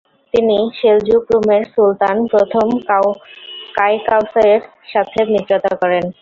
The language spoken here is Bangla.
তিনি সেলজুক রুমের সুলতান প্রথম কায়কাউসের সাথে মিত্রতা করেন।